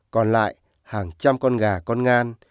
còn lại hàng trăm con gà con ngan